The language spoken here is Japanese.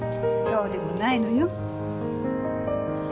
そうでもないのよ。